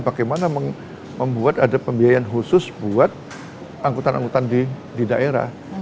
bagaimana membuat ada pembiayaan khusus buat angkutan angkutan di daerah